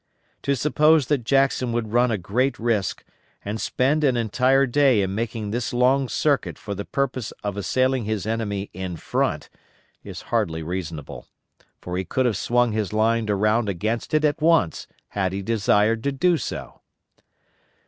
To suppose that Jackson would run a great risk, and spend an entire day in making this long circuit for the purpose of assailing his enemy in front, is hardly reasonable; for he could have swung his line around against it at once, had he desired to do so.